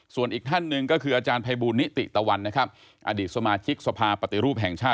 ส่วนอีกท่านหนึ่งก็คืออาจารย์ภัยบูลนิติตะวันนะครับอดีตสมาชิกสภาปฏิรูปแห่งชาติ